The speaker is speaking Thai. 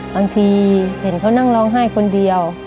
บางทีเห็นเขานั่งร้องไห้คนเดียว